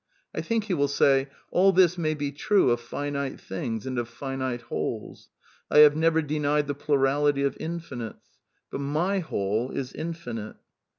I think he will say: All this may be true of finite things and of finite wholes. I have never denied the plurality of finites. But my Whole is Infinite.